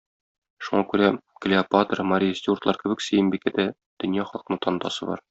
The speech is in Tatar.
Шуңа күрә, Клеопатра, Мария Стюартлар кебек, Сөембикә дә дөнья халкына танытасы бар.